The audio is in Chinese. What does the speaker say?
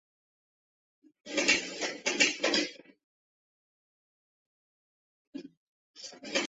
海南三七又名海南山柰为姜科山柰属下的一个种。